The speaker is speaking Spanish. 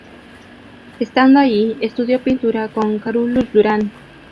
Estando allí, estudió pintura con Carolus-Duran.